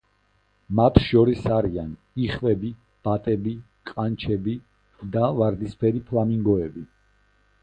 მათ შორის არიან იხვები, ბატები, ყანჩები და ვარდისფერი ფლამინგოები.